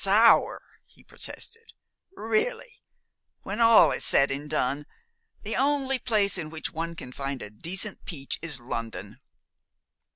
"Sour!" he protested. "Really, when all is said and done, the only place in which one can buy a decent peach is London."